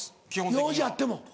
用事あっても？